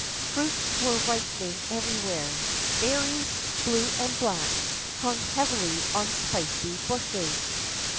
Fruits were ripening every^vhere. Berries, blue and black, hung heavily on spicy bushes.